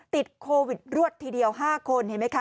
ติดโควิดรวดทีเดียว๕คนเห็นไหมคะ